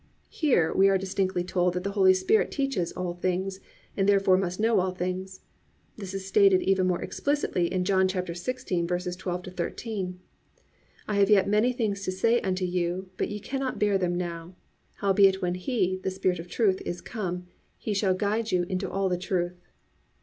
"+ Here we are distinctly told that the Holy Spirit teaches all things, and therefore must know all things. This is stated even more explicitly in John 16:12 13: +"I have yet many things to say unto you, but ye cannot bear them now. Howbeit when He, the Spirit of Truth, is come, He shall guide you into all the truth."